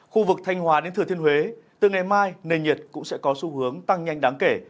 khu vực thanh hòa đến thừa thiên huế từ ngày mai nền nhiệt cũng sẽ có xu hướng tăng nhanh đáng kể